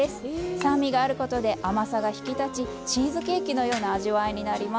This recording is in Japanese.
酸味があることで甘さが引き立ちチーズケーキのような味わいになります。